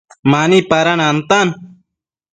Mani pada nantan